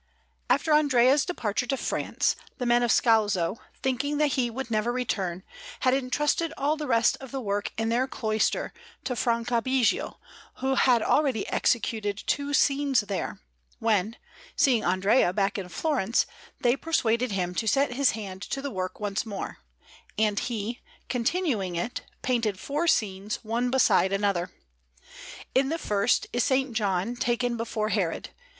After Andrea's departure to France, the men of the Scalzo, thinking that he would never return, had entrusted all the rest of the work in their cloister to Franciabigio, who had already executed two scenes there, when, seeing Andrea back in Florence, they persuaded him to set his hand to the work once more; and he, continuing it, painted four scenes, one beside another. In the first is S. John taken before Herod.